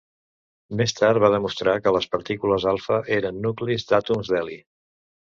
Més tard va demostrar que les partícules alfa eren nuclis d'àtoms d'heli.